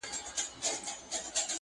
خلک غوټۍ ته روڼي شپې کړي-